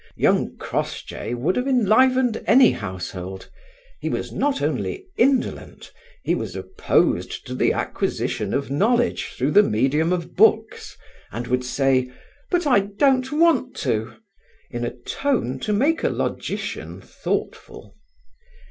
Young Crossjay would have enlivened any household. He was not only indolent, he was opposed to the acquisition of knowledge through the medium of books, and would say: "But I don't want to!" in a tone to make a logician thoughtful.